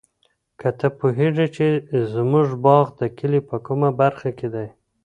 آیا ته پوهېږې چې زموږ باغ د کلي په کومه برخه کې دی؟